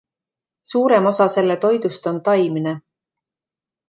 Suurem osa selle toidust on taimne.